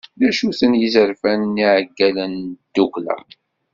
D acu-ten yizerfan n yiɛeggalen n tddukkla?